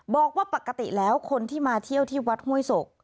บอกว่าปกติแล้วคนที่มาเที่ยวที่วัดห้วยศก